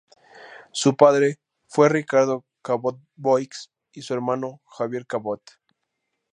Su padre fue Ricardo Cabot Boix y su hermano Javier Cabot.